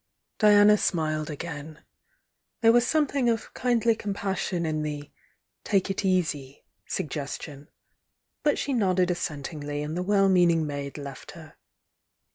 Diana smiled again. There was something of kindly compassion in the "take it easy" suggestion — but she nodded assentingly and the well meaning maid left her.